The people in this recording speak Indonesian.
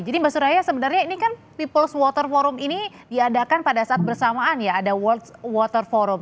jadi mbak suraya sebenarnya ini kan people s water forum ini diadakan pada saat bersamaan ya ada world water forum